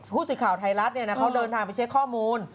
ผู้สื่อข่าวไทยรัฐเขาเดินทางไปเช็คข้อมูล